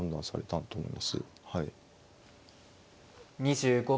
はい。